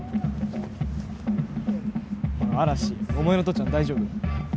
嵐、お前の父ちゃん大丈夫？